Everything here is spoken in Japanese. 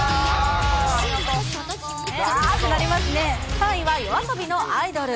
３位はＹＯＡＳＯＢＩのアイドル。